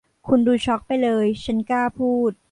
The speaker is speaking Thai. คุณดูช็อคไปเลย ฉันกล้าพูด